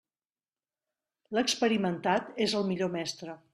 L'experimentat és el millor mestre.